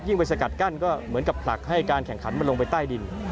ไปสกัดกั้นก็เหมือนกับผลักให้การแข่งขันมันลงไปใต้ดิน